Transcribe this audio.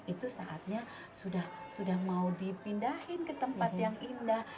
itu saatnya sudah mau dipindahin ke tempat yang indah